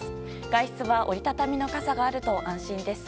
外出は折り畳みの傘があると安心です。